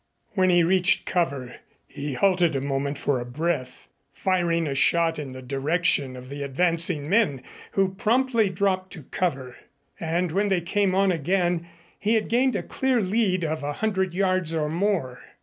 When he reached cover he halted a moment for a breath, firing a shot in the direction of the advancing men, who promptly dropped to cover. And when they came on again, he had gained a clear lead of a hundred yards or more.